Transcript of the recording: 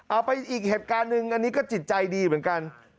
ไปอีกเหตุการณ์หนึ่งอันนี้ก็จิตใจดีเหมือนกัน